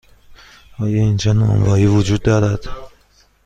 آیا اینجا نانوایی وجود دارد؟